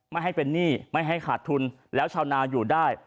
ไม่ให้เป็นหนี้ไม่ให้ขาดทุนแล้วชาวนาอยู่ได้